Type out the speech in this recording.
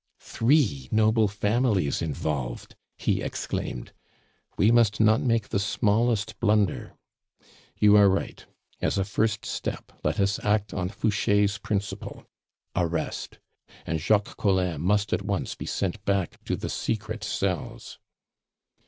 "Three noble families involved!" he exclaimed. "We must not make the smallest blunder! You are right: as a first step let us act on Fouche's principle, 'Arrest!' and Jacques Collin must at once be sent back to the secret cells."